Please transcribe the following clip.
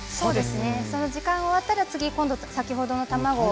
この時間が終わったら先ほどの卵を。